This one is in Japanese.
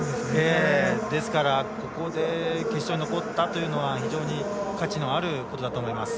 ですから、ここで決勝に残ったというのは非常に価値のあることだと思います。